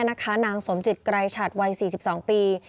แม่นาคานางสมจิตใกล้ฉัดวัย๔๒ปี